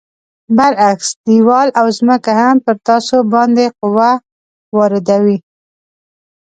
برعکس دیوال او ځمکه هم پر تاسو باندې قوه واردوي.